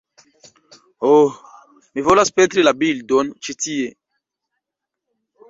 Oh, mi volas pentri la bildon ĉi tie